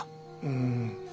うん。